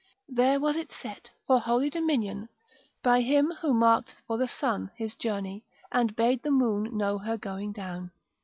There was it set, for holy dominion, by Him who marked for the sun his journey, and bade the moon know her going down.